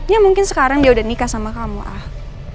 ya mungkin sekarang dia udah nikah sama kamu ah